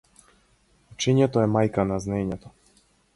Учењето е мајка на знаењето.